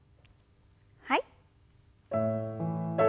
はい。